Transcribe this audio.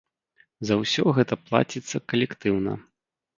За ўсё гэта плаціцца калектыўна.